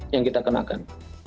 yang kita kenakan